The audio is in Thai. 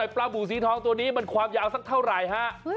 ปลาบูสีทองตัวนี้มันความยาวสักเท่าไหร่ฮะ